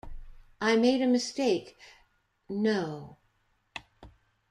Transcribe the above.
I made a mistake, no...